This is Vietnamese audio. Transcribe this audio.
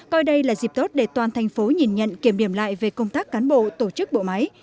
coi đây là dịp tốt để toàn thành phố nhìn nhận kiểm điểm lại về công tác cán bộ tổ chức bộ máy